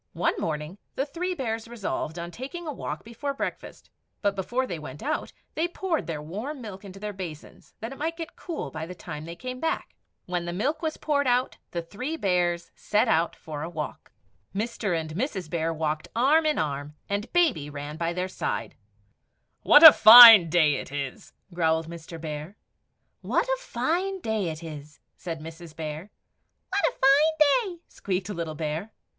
One morning the three bears resolved on taking a walk before breakfast; but before they went out, they poured their warm milk into their basins, that it might get cool by the time they came back. [Illustration: THE BEARS AT BREAKFAST.] When the milk was poured out, the three bears set out for a walk. [Illustration: THE BEARS OUT FOR A WALK.] Mr. and Mrs. Bear walked arm in arm, and Baby ran by their side. "WHAT A FINE DAY IT IS!" growled Mr. Bear. "WHAT A FINE DAY IT IS!" said Mrs. Bear. "What a fine day!" squeaked little Bear.